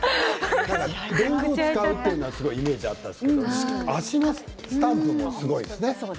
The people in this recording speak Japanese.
道具を使うイメージはあったけど足のスタンプもすごいですね。